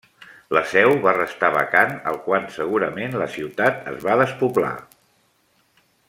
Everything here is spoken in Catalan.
La seu va restar vacant al quan segurament la ciutat es va despoblar.